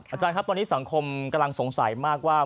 อาจารย์ครับตอนนี้สังคมกำลังสงสัยมากว่า